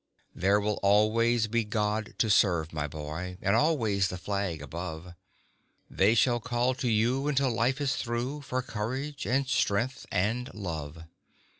There will always be God to serve, my boy, And always the Flag above; They shall call to you until life is through For courage and strength and love.